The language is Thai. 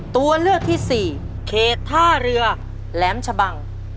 ตัวเลือกที่สี่เขตท่าเรือแหลมชะบัง